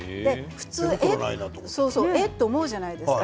普通、え？と思うじゃないですか